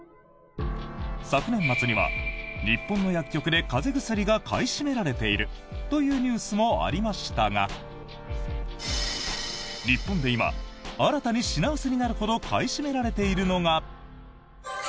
昨年末には日本の薬局で風邪薬が買い占められているというニュースもありましたが日本で今、新たに品薄になるほど買い占められているのが。